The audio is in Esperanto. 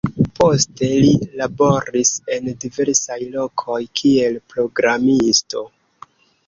Poste li laboris en diversaj lokoj kiel programisto.